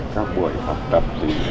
các buổi học tập